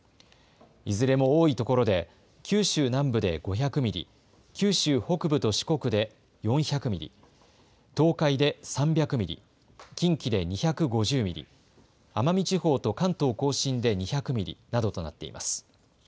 いずれも多いところで九州南部で５００ミリ、九州北部と四国で４００ミリ、東海で３００ミリ、近畿で２５０ミリ、奄美地方と関東甲信で２００ミリなどとなっています。